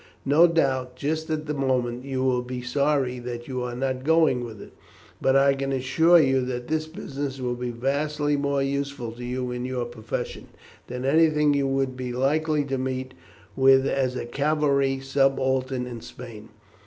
No doubt, just at the moment, you will be sorry that you are not going with it, but I can assure you that this business will be vastly more useful to you in your profession, than anything you would be likely to meet with as a cavalry subaltern in Spain."